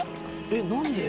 えっ何で？